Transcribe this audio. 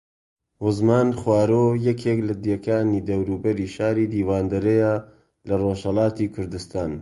وزمان خوارۆ یەکێک لە دێکانی دەوروبەری شاری دیواندەرەیە لە ڕۆژھەڵاتی کوردستان